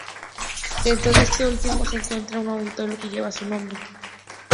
Dentro de este último se encuentra un auditorio que lleva su nombre.